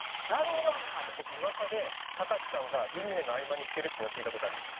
僕噂でたかしさんがルミネの合間に行ってるっていうのは聞いた事あります。